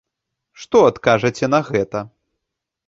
Што адкажаце на гэта?